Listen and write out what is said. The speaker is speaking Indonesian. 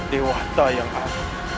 dewahtah yang amat